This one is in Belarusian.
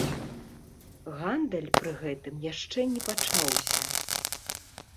Гандаль пры гэтым яшчэ не пачаўся.